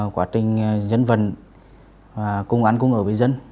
quả trình dân vận và công an cũng ở với dân